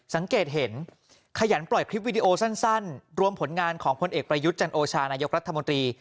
สังเกตเห็นขยันปล่อยคลิปวิดีโอสั้นรวมผลงานของพลเอกประยุทธ์จันโอชานายกรัฐมนตรี